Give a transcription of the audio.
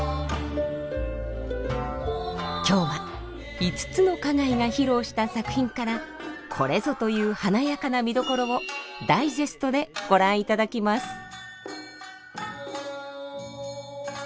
今日は五つの花街が披露した作品から「これぞ」という華やかな見どころをダイジェストでご覧いただきます。